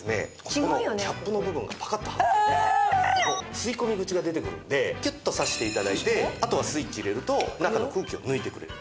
吸い込み口が出てくるのでキュッと差して頂いてあとはスイッチ入れると中の空気を抜いてくれる。